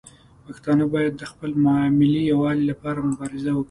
پښتانه باید د خپل ملي یووالي لپاره مبارزه وکړي.